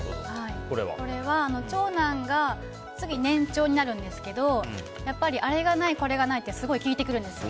長男が次、年長になるんですけどやっぱりあれがない、これがないってすごい聞いてくるんですよ。